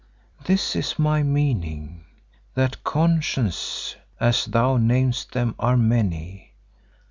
This is my meaning, that consciences, as thou namest them, are many.